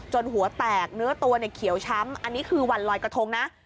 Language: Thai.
หัวแตกเนื้อตัวเนี่ยเขียวช้ำอันนี้คือวันลอยกระทงนะ